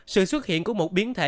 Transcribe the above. sự xuất hiện của một biến thể